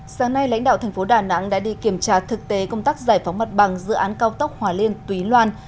sáng nay lãnh đạo thành phố đà nẵng đã đi kiểm tra thực tế công tác giải phóng mặt bằng dự án cao tốc hòa liên túy loan